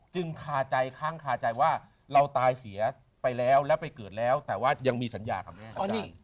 คาใจค้างคาใจว่าเราตายเสียไปแล้วแล้วไปเกิดแล้วแต่ว่ายังมีสัญญากับแม่เขา